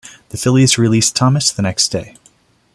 The Phillies released Thomas the next day.